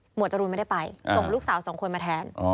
วดจรูนไม่ได้ไปส่งลูกสาวสองคนมาแทน